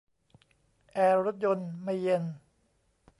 แอร์รถยนต์ไม่เย็น